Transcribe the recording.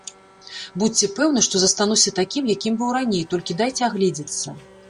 Будзьце пэўны, што застануся такім, якім быў раней, толькі дайце агледзецца.